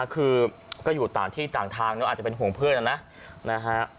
คือก็อยู่ต่างที่ต่างทางเนอะอาจจะเป็นห่วงเพื่อนนะนะฮะ